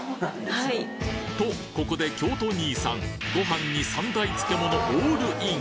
・はい・とここで京都兄さんご飯に三大漬物オールイン！